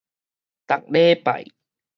逐禮拜